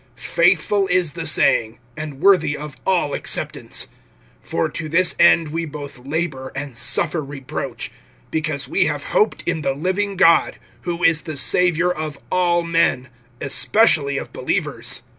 (9)Faithful is the saying, and worthy of all acceptance. (10)For to this end we both labor and suffer reproach, because we have hoped in the living God, who is the Savior of all men, especially of believers.